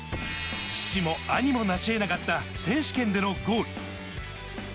父も兄も成し得なかった選手権でのゴール。